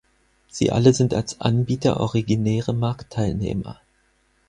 Sie alle sind als Anbieter originäre Marktteilnehmer.